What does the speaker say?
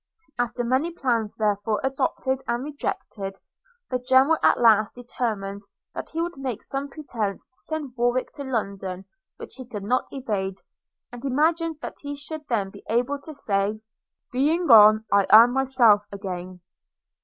After many plans, therefore, adopted and rejected, the General at last determined that he would make some pretence to send Warwick to London which he could not evade, and imagined that he should then be able to say, 'Being gone – I am myself again!'